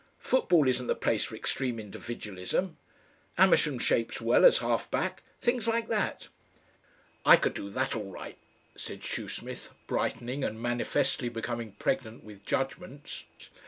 Football isn't the place for extreme individualism.' 'Ammersham shapes well as half back.' Things like that." "I could do that all right," said Shoesmith, brightening and manifestly becoming pregnant with judgments.